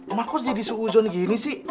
emak kok jadi suuzon gini sih